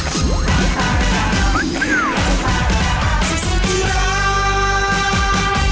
สุขสุดที่รัก